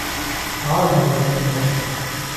All have the same title.